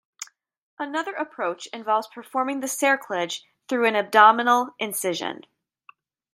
Another approach involves performing the cerclage through an abdominal incision.